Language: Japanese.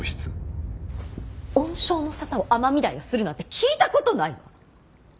恩賞の沙汰を尼御台がするなんて聞いたことないわ。